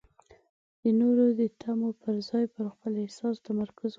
د نورو د تمو پر ځای پر خپل احساس تمرکز وکړئ.